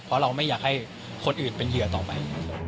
เพราะเราไม่อยากให้คนอื่นเป็นเหยื่อต่อไป